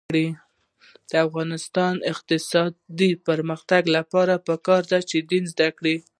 د افغانستان د اقتصادي پرمختګ لپاره پکار ده چې دین زده کړو.